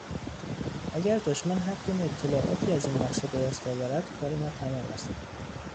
اگر دشمن هرگونه اطلاعی از این نقشه به دست آورد کار ما تمام است.